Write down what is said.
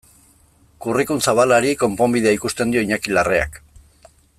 Curriculum zabalari konponbidea ikusten dio Iñaki Larreak.